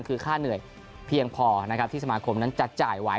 คือค่าเหนื่อยเพียงพอนะครับที่สมาคมนั้นจะจ่ายไว้